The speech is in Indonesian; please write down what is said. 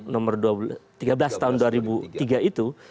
nomor tiga belas tahun dua ribu tiga itu